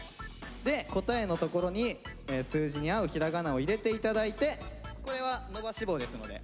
で答えのところに数字に合う平仮名を入れて頂いてこれは伸ばし棒ですので。